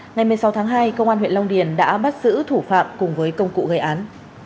ngày một mươi sáu tháng hai công an huyện long điền đã bắt giữ thủ phạm cùng với công cụ gây án